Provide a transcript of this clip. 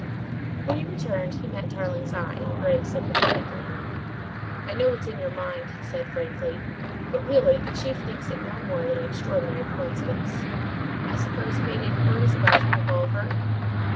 When he returned, he met Tarling's eye and grinned sympathetically. "I know what's in your mind," he said frankly, "but really the Chief thinks it no more than an extraordinary coincidence. I suppose you made inquiries about your revolver?"